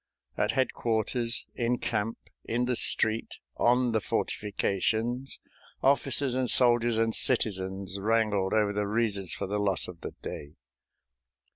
At headquarters, in camp, in the street, on the fortifications, officers and soldiers and citizens wrangled over the reasons for the loss of the day.